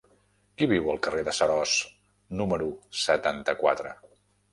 Qui viu al carrer de Seròs número setanta-quatre?